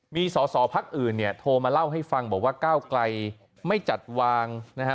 มีสอสอพักอื่นเนี่ยโทรมาเล่าให้ฟังบอกว่าก้าวไกลไม่จัดวางนะฮะ